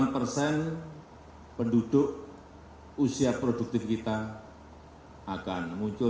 enam puluh delapan persen penduduk usia produktif kita akan muncul